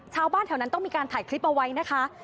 ชาวบ้านแถวนั้นต้องมีการถ่ายคลิปเอาไว้นะคะ